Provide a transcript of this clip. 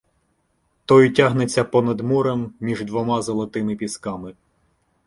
Той тягнеться понад морем між двома «золотими пісками»